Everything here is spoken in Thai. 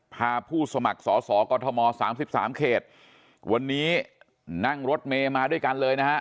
พาผู้สมัครสอสอกรธมสามสิบสามเขตวันนี้นั่งรถเมมาด้วยกันเลยนะฮะ